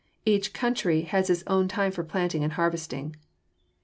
Each country has its own time for planting and harvesting.